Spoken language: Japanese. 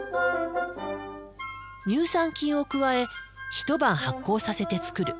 乳酸菌を加え一晩発酵させて作る。